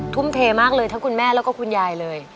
ทุ่มเทมากเลยทั้งคุณแม่แล้วก็คุณยายเลย